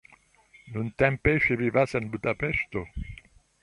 Nuntempe ŝi vivas en Budapeŝto.